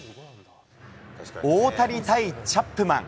大谷対チャップマン。